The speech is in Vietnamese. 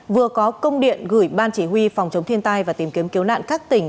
vừa có công điện gửi ban chỉ huy phòng chống thiên tai và tìm kiếm cứu nạn các tỉnh